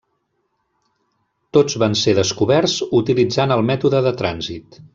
Tots van ser descoberts utilitzant el mètode de trànsit.